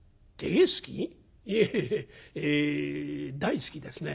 「いええ大好きですね」。